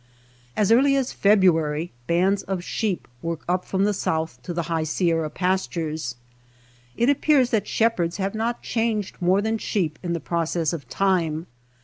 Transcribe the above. As early as February bands of sheep work up from the south to the high Si erra pastures. It appears that shepherds have not changed more than sheep in the ) process of time.